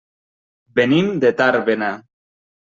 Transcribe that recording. Venim de Tàrbena.